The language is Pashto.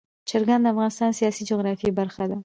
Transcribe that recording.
چرګان د افغانستان د سیاسي جغرافیه برخه ده.